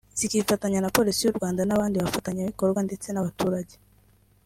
zikifatanya na Polisi y’u Rwanda n’abandi bafatanyabikorwa ndetse n’abaturage